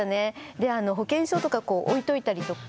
で保険証とかこう置いといたりとか。